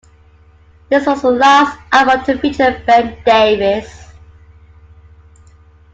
This was the last album to feature Ben Davis.